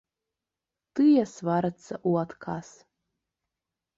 Тыя сварацца ў адказ.